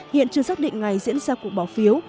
hiện chưa xác định ngày diễn ra cuộc bỏ phiếu